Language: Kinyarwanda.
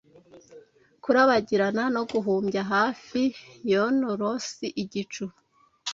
Kurabagirana no guhumbya hafi yon rosy igicu